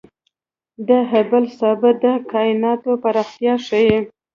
د هبل ثابت د کائناتو پراختیا ښيي.